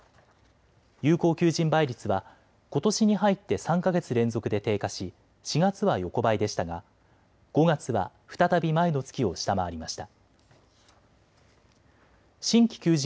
有効求人倍率はことしに入って３か月連続で低下し４月は横ばいでしたが５月は再び前の月を下回りました。